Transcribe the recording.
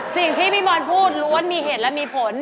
สิ่งที่พี่บอลพูดล้วนมีเหตุและมีผล